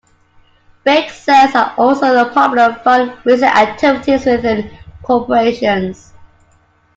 Bake sales are also a popular fund raising activities within corporations.